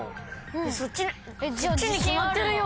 そっちに決まってるよ！